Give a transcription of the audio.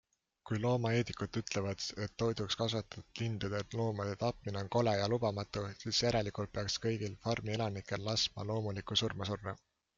Kui loomaeetikud ütlevad, et toiduks kasvatatud lindude-loomade tapmine on kole ja lubamatu, siis järelikult peaks kõigil farmielanikel laskma loomulikku surma surra.